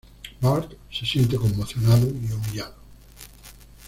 Bart se siente conmocionado y humillado.